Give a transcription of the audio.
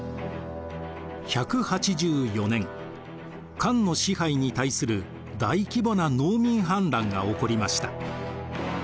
１８４年漢の支配に対する大規模な農民反乱が起こりました。